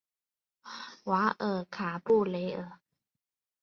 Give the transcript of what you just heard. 瓦尔卡布雷尔。